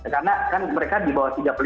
karena kan mereka di bawah tiga puluh lima tahun